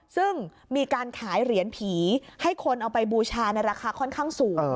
ซึ่งมีการขายเหรียญผีให้คนเอาไปบูชาในราคาค่อนข้างสูง